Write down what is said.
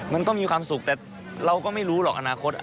มันก็มีความสุขแต่เราก็ไม่รู้หรอกอนาคต